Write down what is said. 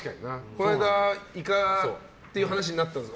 この間、イカっていう話になったんです。